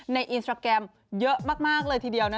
อินสตราแกรมเยอะมากเลยทีเดียวนะ